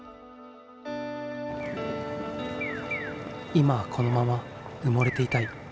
今はこのまま埋もれていたい。